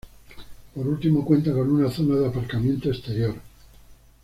Por último cuenta con una zona de aparcamiento exterior.